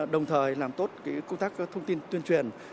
đồng thời làm tốt công tác thông tin tuyên truyền